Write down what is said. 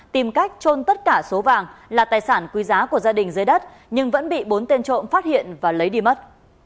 tìm cách trôn tất cả số vàng là tài sản quý giá của gia đình dưới đất nhưng vẫn bị bốn tên trộm phát hiện và lấy đi mất